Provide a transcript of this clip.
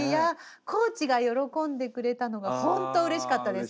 コーチが喜んでくれたのがほんとうれしかったです。